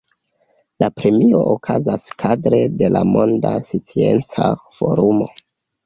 La premio okazas kadre de la Monda Scienca Forumo.